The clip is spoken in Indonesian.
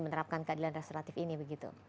menerapkan keadilan restoratif ini begitu